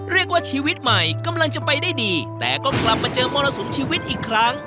ชีวิตใหม่กำลังจะไปได้ดีแต่ก็กลับมาเจอมรสุมชีวิตอีกครั้ง